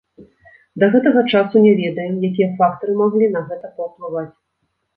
Да гэтага часу не ведаем, якія фактары маглі на гэта паўплываць.